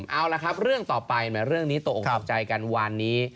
เอาล่ะครับเรื่องต่อไปตกตกตกใจกันวันนี้